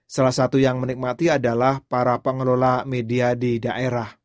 salah satu yang menikmati adalah para pengelola media di daerah